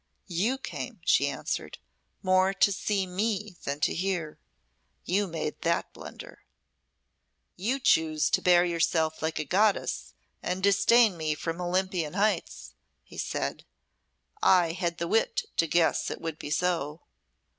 "You came," she answered, "more to see me than to hear. You made that blunder." "You choose to bear yourself like a goddess, and disdain me from Olympian heights," he said. "I had the wit to guess it would be so."